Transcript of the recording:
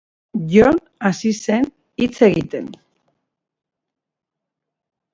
Jon hasi zen hitz egiten.